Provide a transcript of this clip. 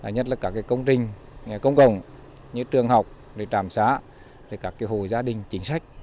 nhất là các công trình công cộng như trường học trạm xá các hồ gia đình chính sách